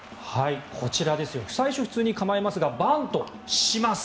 最初、普通に構えますがバントをします。